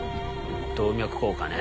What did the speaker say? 動脈硬化ね。